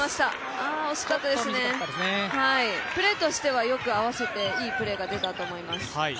プレーとしては合わせて、いいプレーが出たと思います。